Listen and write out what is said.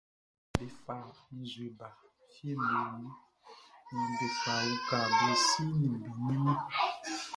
Be fa nzue ba fieʼm be nun naan be fa uka be si ni be ni mun.